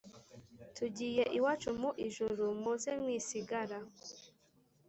Tugiye iwacu mu ijuru muze mwisigara